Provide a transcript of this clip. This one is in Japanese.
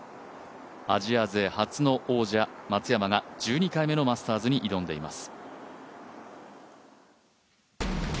アジア勢初の王者、松山が１２回目のマスターズに挑んでいます。